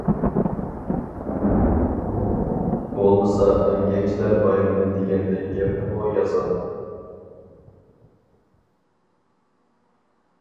بولمىسا ئەمگەكچىلەر بايرىمى دېگەندەك گەپنىمۇ يازغان.